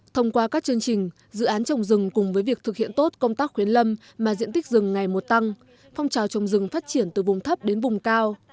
thông qua các chương trình dự án trồng rừng cùng với việc thực hiện tốt công tác khuyến lâm mà diện tích rừng ngày một tăng phong trào trồng rừng phát triển từ vùng thấp đến vùng cao